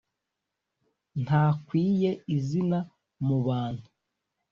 ntakwiye izina mu bantu,